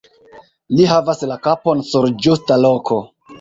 Li havas la kapon sur ĝusta loko.